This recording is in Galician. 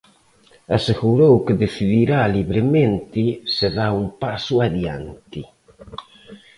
Asegurou que decidirá libremente se dá un paso adiante.